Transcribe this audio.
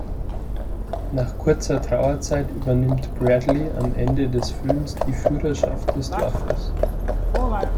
Nach kurzer Trauerzeit übernimmt Bradley am Ende des Films die Führerschaft des Dorfes.